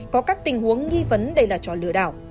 có các tình huống nghi vấn đây là trò lừa đảo